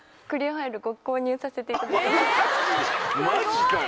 マジかよ。